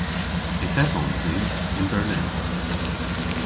Yth esons i yn Berlin.